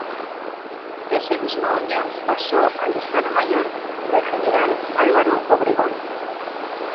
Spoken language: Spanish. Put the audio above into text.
Ese mismo año pasó al Estado Mayor del general Álvaro Obregón.